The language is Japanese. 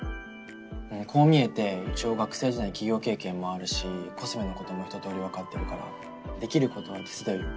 こう見えて一応学生時代に起業経験もあるしコスメのことも一通り分かってるからできることは手伝うよ。